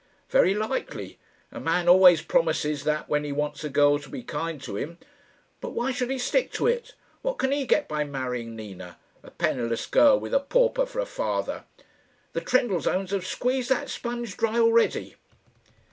"Very likely. A man always promises that when he wants a girl to be kind to him. But why should he stick to it? What can he get by marrying Nina a penniless girl, with a pauper for a father? The Trendellsohns have squeezed that sponge dry already."